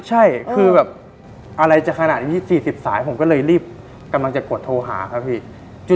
ใช่คือแบบอะไรจะขนาดนี้๔๐สายผมก็เลยรีบกำลังจะกดโทรหาครับพี่